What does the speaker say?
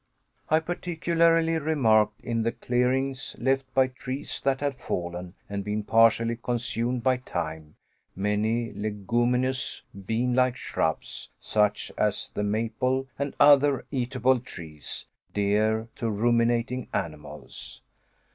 I particularly remarked, in the clearings left by trees that had fallen and been partially consumed by time, many leguminous (beanlike) shrubs, such as the maple and other eatable trees, dear to ruminating animals.